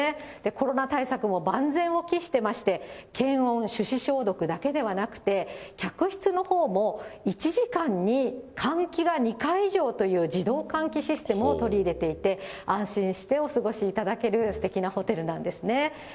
コロナ対策も万全を期してまして、検温、手指消毒だけでなくて、客室のほうも１時間に換気が２回以上という、自動換気システムを取り入れていて、安心してお過ごしいただける、すてきなホテルなんですね。